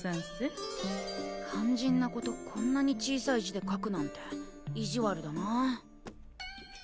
かんじんなことこんなに小さい字で書くなんて意地悪だなあ。